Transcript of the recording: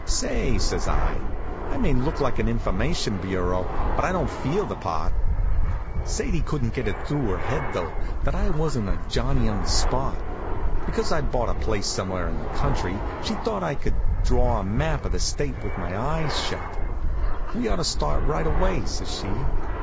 "Say," says I, "I may look like an information bureau, but I don't feel the part." Sadie couldn't get it through her head, though, that I wasn't a Johnny on the spot. Because I'd bought a place somewhere in the county, she thought I could draw a map of the state with my eyes shut. "We ought to start right away," says she.